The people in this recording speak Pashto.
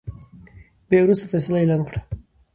بيا يې ورورستۍ فيصله اعلان کړه .